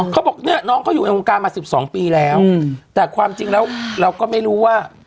เขาบอกเนี่ยน้องเขาอยู่ในวงการมา๑๒ปีแล้วแต่ความจริงแล้วเราก็ไม่รู้ว่า